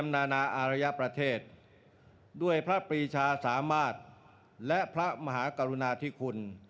ในพระปรีชาสามาสและพระมหากุณวาทิศคุณ